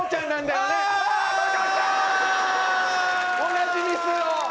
同じミスを！